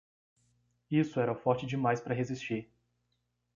Isso era forte demais para resistir.